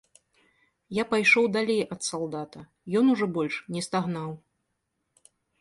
Я пайшоў далей ад салдата, ён ужо больш не стагнаў.